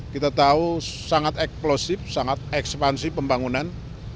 kita tahu sangat eksplosif sangat ekspansi pembangunan